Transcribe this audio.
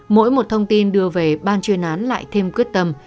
mỗi một thông tin đưa về ban chuyên án lại thêm quyết tâm